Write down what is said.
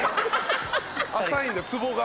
浅いんだツボが。